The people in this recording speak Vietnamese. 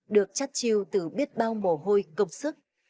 được chắt chiêu từ biết bao mồ hôi công sức